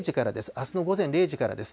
あすの午前０時からです。